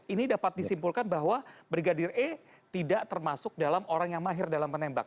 ini dapat disimpulkan bahwa brigadir e tidak termasuk dalam orang yang mahir dalam menembak